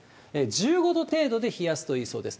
１５度程度で冷やすといいそうです。